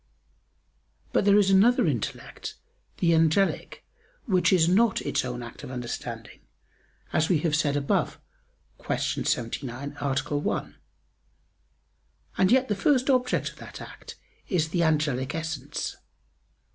But there is another intellect, the angelic, which is not its own act of understanding, as we have said above (Q. 79, A. 1), and yet the first object of that act is the angelic essence.